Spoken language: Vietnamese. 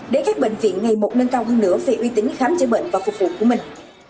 để các bệnh viện ngày một nâng cao hơn nữa về uy tín khám chữa bệnh và phục vụ của mình